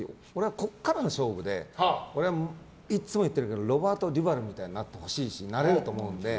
ここからが勝負で、俺はいつも言ってるけどロバート・デュバルみたいになってほしいと思うしなれると思うんで。